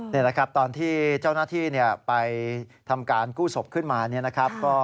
นี่นะครับตอนที่เจ้าหน้าที่ไปทำการกู้สบขึ้นมา